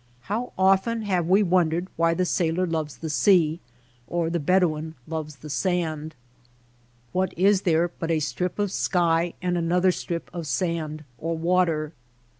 How often have we wondered why the sailor loves the sea, why the Bedouin loves the sand ! What is there but a strip of sky and another THE APPROACH 19 strip of sand or water